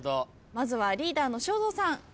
まずはリーダーの正蔵さん。